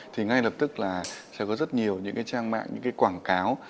thì ngay lập tức là sẽ có rất nhiều những trang mạng những quảng cáo